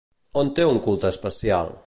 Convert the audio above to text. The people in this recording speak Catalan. On té un culte especial?